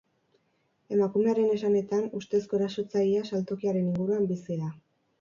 Emakumearen esanetan, ustezko erasotzailea saltokiaren inguruan bizi da.